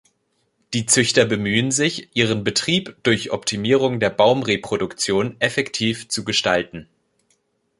Die Züchter bemühen sich, ihren Betrieb durch Optimierung der Baumreproduktion effektiv zu gestalten.